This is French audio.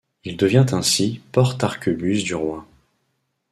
Il devint ainsi porte-arquebuse du Roi.